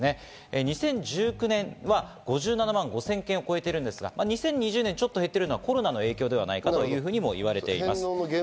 ２０１９年は５７万５０００件を超えていますが、２０２０年ちょっと減ってるのはコロナの影響ではないかといわれています。